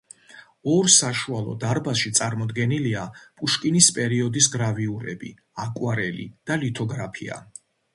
ორ საშუალო დარბაზში წარმოდგენლია პუშკინის პერიოდის გრავიურები, აკვარელი და ლითოგრაფია.